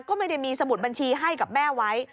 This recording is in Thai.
ก็ไม่ได้มีสมุดบัญชีให้กับแม่ไว้